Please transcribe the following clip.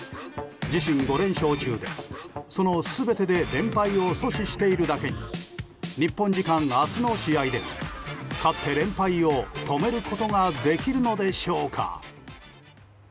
自身５連勝中で、その全てで連敗を阻止しているだけに日本時間明日の試合でも勝って連敗を止めることができるのでしょうか。